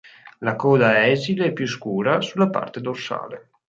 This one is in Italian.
La coda è esile e più scura sulla parte dorsale.